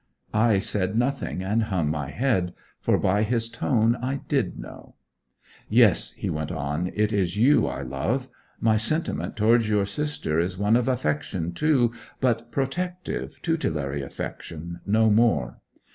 I said nothing, and hung my head, for by his tone I did know. 'Yes,' he went on, 'it is you I love; my sentiment towards your sister is one of affection too, but protective, tutelary affection no more.